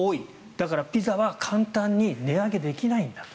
だからピザは簡単に値上げできないんだと。